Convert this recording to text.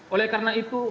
oleh karena itu